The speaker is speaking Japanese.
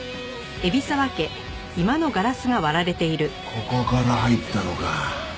ここから入ったのか。